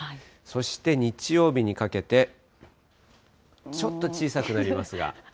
そして日曜日にかけて、ちょっと小さくなりますが。